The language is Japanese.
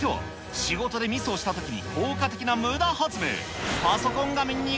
続いては、仕事でミスをしたときに効果的なむだ発明。